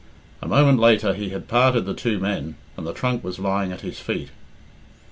A moment later he had parted the two men, and the trunk was lying at his feet.